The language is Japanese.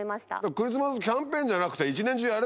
クリスマスキャンペーンじゃなくて。